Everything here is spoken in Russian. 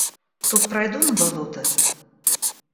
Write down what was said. Тут пройду на болото?